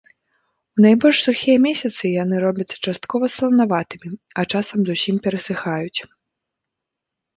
У найбольш сухія месяцы яны робяцца часткова саланаватымі, а часам зусім перасыхаюць.